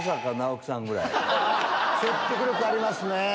説得力ありますね。